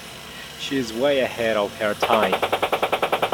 She is way ahead of her time.